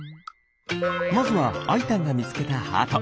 まずはあいたんがみつけたハート。